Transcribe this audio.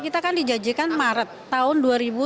kita kan dijanjikan maret tahun dua ribu tujuh belas